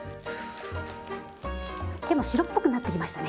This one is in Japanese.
でもう白っぽくなってきましたね。